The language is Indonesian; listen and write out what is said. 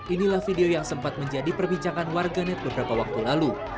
inilah video yang sempat menjadi perbincangan warganet beberapa waktu lalu